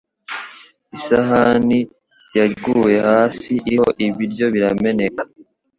Isahani yaguye hasi iriho ibiryo birameneka